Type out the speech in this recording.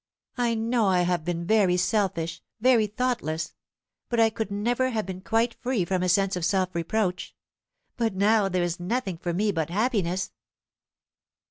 I know I have been very selfish, very thoughtless, but I could never have been quite free from a sense of self reproach. But now there is nothing for me but happiness.